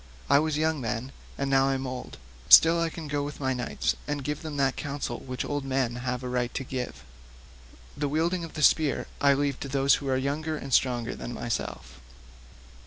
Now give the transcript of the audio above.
I was then young, and now I am old; still I can go with my knights and give them that counsel which old men have a right to give. The wielding of the spear I leave to those who are younger and stronger than myself."